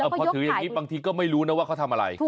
พอถืออย่างนี้บางทีก็ไม่รู้นะว่าเขาทำอะไร